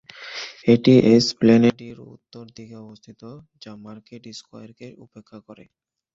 এটি এসপ্ল্যানেডীর উত্তর দিকে অবস্থিত, যা মার্কেট স্কয়ারকে উপেক্ষা করে।